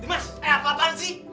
mas eh apa apaan sih